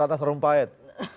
rata serum pahit